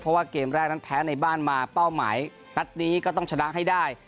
เพราะว่าเกมแรกนั้นแพ้ในบ้านมาเป้าหมายนัดนี้ก็ต้องชนะให้ได้